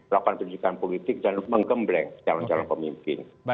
lakukan pendidikan politik dan menggembleng calon calon pemimpin